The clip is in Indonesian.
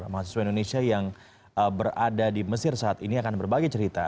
mahasiswa indonesia yang berada di mesir saat ini akan berbagi cerita